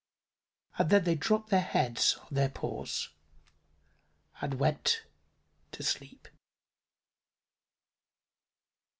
And then they dropped their heads on their paws and went to sleep.